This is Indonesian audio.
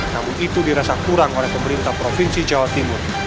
namun itu dirasa kurang oleh pemerintah provinsi jawa timur